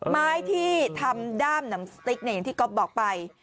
ไม้ที่ทำด้ามหนังสติ๊กอย่างที่ก๊อฟบอกไป